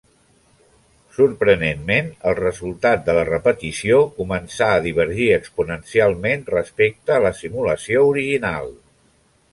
Sorprenentment, el resultat de la repetició començà a divergir exponencialment respecte a la simulació original.